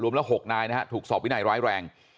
รวมละ๖นายนะครับถูกสอบวินัยร้ายแรง